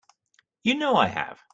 You know I have.